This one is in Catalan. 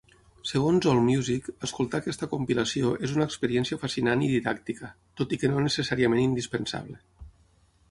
Segons AllMusic, escoltar aquesta compilació és una experiència fascinant i didàctica, tot i que no necessàriament indispensable.